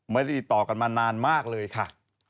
ไม่ได้ติดต่อกันมานานมากเลยค่ะ